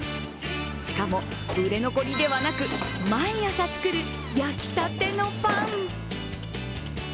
しかも売り残りではなく、毎朝作る焼きたてのパン。